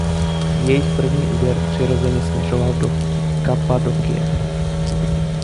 Jejich první úder přirozeně směřoval do Kappadokie.